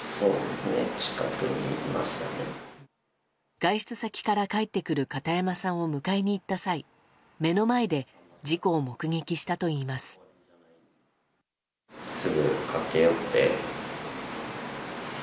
外出先から帰ってくる片山さんを迎えに行った際目の前で事故を目撃したといいます。